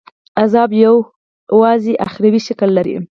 عذاب یوازي اُخروي شکل لري.